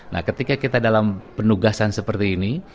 nah ketika kita dalam penugasan seperti ini